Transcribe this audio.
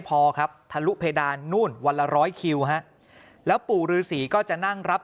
พอครับทะลุเพดานนู่นวันละ๑๐๐คิวแล้วปู่รือศรีก็จะนั่งรับ